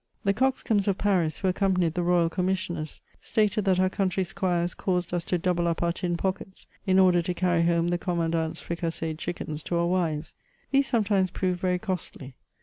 The coxcombs of Paris, who accompanied the royal commis sioners, stated that our country squires caused us to double up our tin pockets, in order to carry home the commandant*s fricasseed chickens to our wives. These sometimes proved very costly.